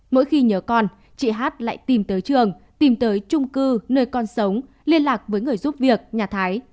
mỗi khi nhớ con chị hát lại tìm tới trường tìm tới trung cư nơi con sống liên lạc với người giúp việc nhà thái